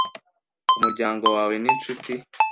Ku muryango wawe n'inshuti?